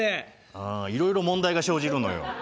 あいろいろ問題が生じるのよ。